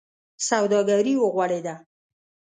سوداګري و غوړېده.